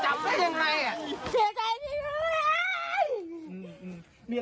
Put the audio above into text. มาสอบพี่นี่ก็ไปไม่ต้องเป็น